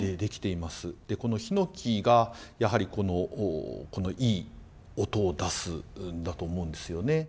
この檜がやはりこのいい音を出すんだと思うんですよね。